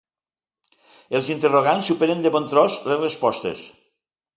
Els interrogants superen de bon tros les respostes.